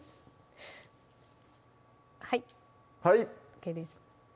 はいはいＯＫです